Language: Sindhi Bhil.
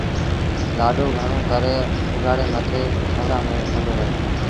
لآڏو گھڻوݩ ڪري اُگھآڙي مٿي سُورآݩ ميݩ ڪوندو وهي